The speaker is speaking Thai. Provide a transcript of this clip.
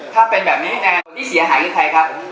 ถ้าเป็นแบบนี้ที่เสียหายเป็นใครครับ